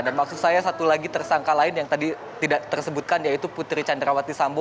dan maksud saya satu lagi tersangka lain yang tadi tidak tersebutkan yaitu putri candrawati sambo